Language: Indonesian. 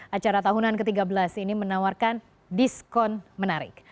acara tahunan ke tiga belas ini menawarkan diskon menarik